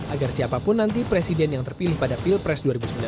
agar siapapun nanti presiden yang terpilih pada pilpres dua ribu sembilan belas